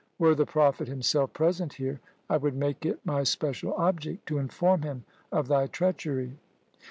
Were the Prophet himself present here, I would make it my special object to inform him of thy treachery.